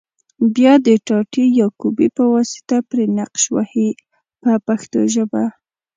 بیا د ټاټې یا کوبې په واسطه پرې نقش وهي په پښتو ژبه.